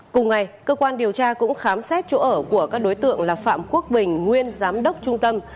cùng ngày cơ quan điều tra cũng khám xét chỗ ở của các đối tượng là phạm quốc bình nguyên giám đốc trung tâm